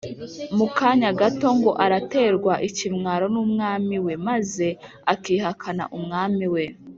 mu kanya gato ngo araterwa ikimwaro n’umwami we! maze akihakana umwami we